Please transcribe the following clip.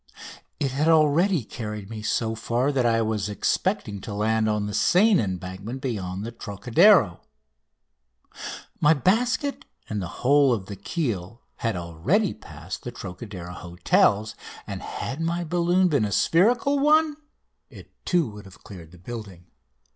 It had already carried me so far that I was expecting to land on the Seine embankment beyond the Trocadero. My basket and the whole of the keel had already passed the Trocadero hotels, and had my balloon been a spherical one, it too would have cleared the building.